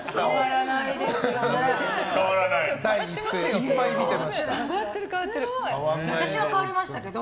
いっぱい見てました本当に！